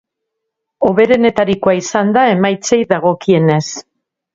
Hoberenetarikoa izan da emaitzei dagokienez.